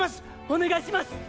お願いします！